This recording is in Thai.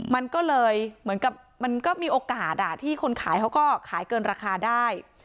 มันก็เลยเหมือนกับมันก็มีโอกาสที่คนขายเขาก็ขายเกินราคาได้